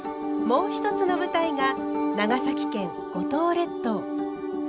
もう一つの舞台が長崎県五島列島。